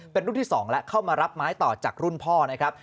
เป็นรุ่นที่๒แล้วเข้ามารับไม้ต่อจากรุ่นพ่อนะครับ